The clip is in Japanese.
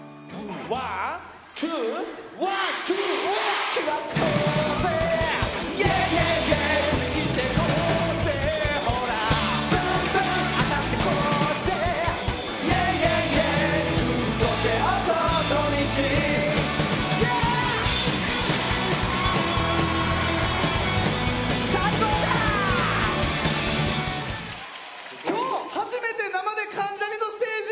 今日初めて生で関ジャニのステージ見てる人！